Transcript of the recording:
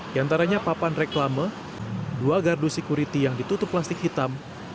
di antaranya papan reklame dua gardu security yang ditutup plastik hitam